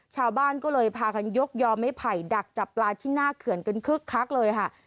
ชาวบ้านก็เลยพากันยกยอมไม้ไผ่ดักจับปลาที่หน้าเขื่อนกันคึกคักเลยค่ะ